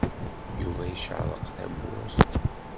Yuba icerreq tawwurt.